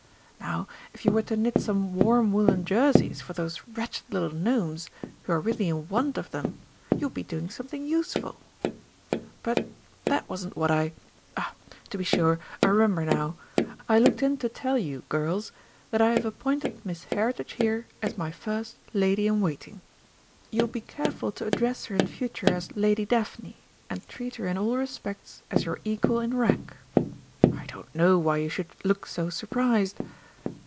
Now if you were to knit some warm woollen jerseys for those wretched little Gnomes, who are really in want of them, you would be doing something useful. But that wasn't what I ah, to be sure, I remember now. I looked in to tell you, girls, that I have appointed Miss Heritage here as my First Lady in waiting. You will be careful to address her in future as 'Lady Daphne,' and treat her in all respects as your equal in rank.... I don't know why you should look so surprised."